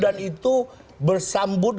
dan itu bersambut